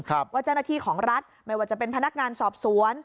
ว่าเจ้าหน้าที่ของรัฐไม่ว่าจะเป็นพนักงานสอบสวน